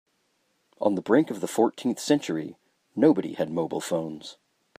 On the brink of the fourteenth century, nobody had mobile phones.